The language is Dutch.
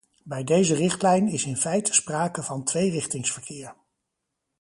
Bij deze richtlijn is in feite sprake van tweerichtingsverkeer.